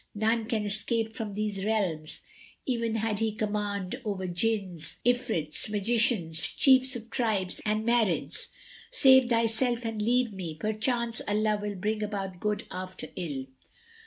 None can escape from these realms, even had he command over Jinns, Ifrits, magicians, chiefs of tribes and Marids. Save thyself and leave me; perchance Allah will bring about good after ill."